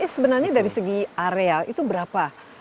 sebenarnya dari segi area itu berapa